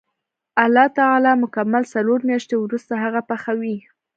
الله تعالی مکمل څلور میاشتې وروسته هغه پخوي.